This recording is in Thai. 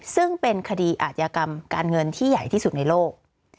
ซึ่งเป็นคดีอาจยากรรมการเงินที่ใหญ่ที่สุดในโลก